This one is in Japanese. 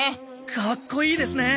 かっこいいですね。